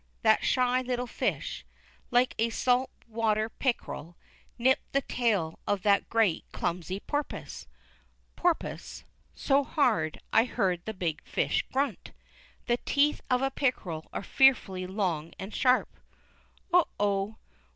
that sly little fish, like a salt water pickerel, nipped the tail of that great clumsy porpoise porpus so hard, I heard the big fish grunt. The teeth of a pickerel are fearfully long and sharp. Oh! Oh!